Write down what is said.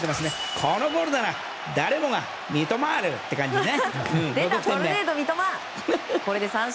このゴールなら誰もがミトマールって感じね。